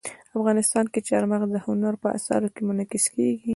افغانستان کې چار مغز د هنر په اثار کې منعکس کېږي.